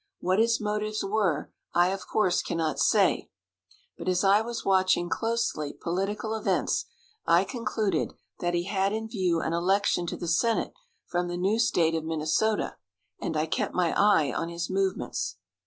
What his motives were I, of course, cannot say, but as I was watching closely political events, I concluded that he had in view an election to the senate from the new State of Minnesota, and I kept my eye on his movements.